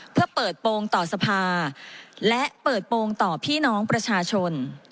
เพื่อเปิดโปรงต่อสภาและเปิดโปรงต่อพี่น้องประชาชน